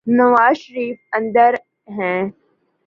نوازشریف اندر ہیں۔